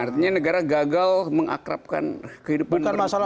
artinya negara gagal mengakrabkan kehidupan orang orang negara